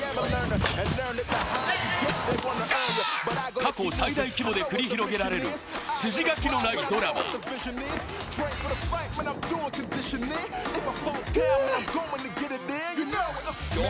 過去最大規模で繰り広げられる筋書きのないドラマくう！